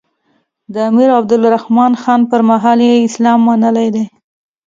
د امیر عبدالرحمان خان پر مهال یې اسلام منلی دی.